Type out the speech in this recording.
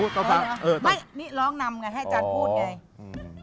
นี่ร้องนำไงให้อาจารย์พูดไง